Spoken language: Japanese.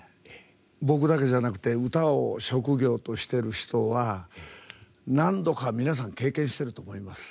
僕だけじゃなくて歌を職業としてる人は何度か皆さん経験してると思います。